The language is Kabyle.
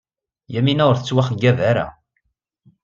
Yamina ur tettwaxeyyab.